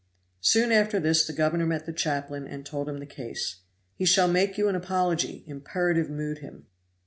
Soon after this the governor met the chaplain and told him the case. "He shall make you an apology" imperative mood him.